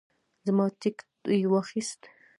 زما ټیکټ یې واخیست.